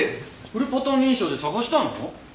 フルパターン認証で探したの？